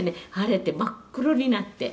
腫れて真っ黒になって」